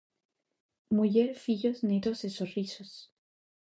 Muller, fillos, netos e sorrisos.